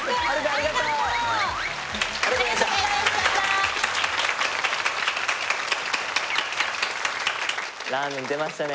はーいラーメン出ましたね